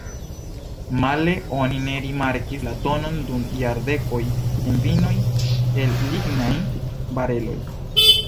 Male oni ne rimarkis la tonon dum jardekoj en vinoj el lignaj bareloj.